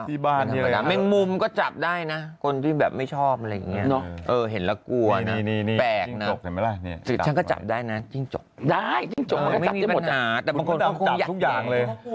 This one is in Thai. ผู้ชายก็คือตุ๊ดแตกก็ไม่ให้จริง